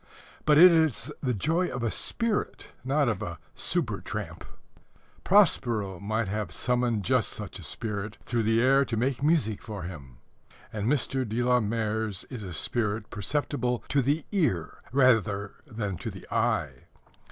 But it is the joy of a spirit, not of a "super tramp." Prospero might have summoned just such a spirit through the air to make music for him. And Mr. de la Mare's is a spirit perceptible to the ear rather than to the eye.